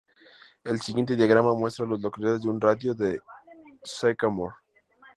El siguiente diagrama muestra a las localidades en un radio de de Sycamore.